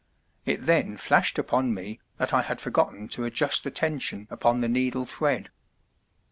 It then flashed upon me that I had forgotten to adjust the tension upon the needle thread.